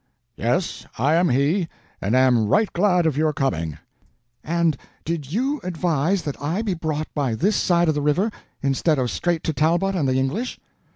"Yes, I am he, and am right glad of your coming." "And did you advise that I be brought by this side of the river instead of straight to Talbot and the English?"